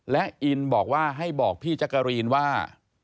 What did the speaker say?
และอินบอกว่าให้บอกพี่จักรีนว่า